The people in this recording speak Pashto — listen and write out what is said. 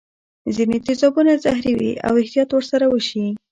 ځیني تیزابونه زهري وي او احتیاط ور سره وشي.